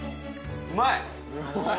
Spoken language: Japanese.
うまい！